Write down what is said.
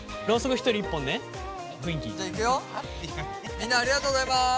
みんなありがとうございます。